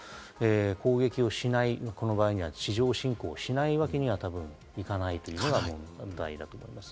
攻撃をしない、この場合には地上侵攻をしないわけには多分いかないというのが問題だと思います。